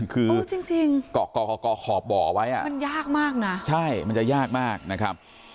คือจริงเกาะขอบบ่อไว้มันยากมากนะใช่มันจะยากมากนะครับ